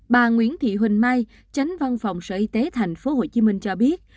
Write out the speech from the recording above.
bà nguyễn thị huỳnh mai chánh văn phòng sở y tế thành phố hồ chí minh cho biết